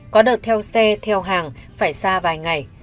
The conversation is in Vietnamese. có đợt theo xe theo hàng phải xa vài ngày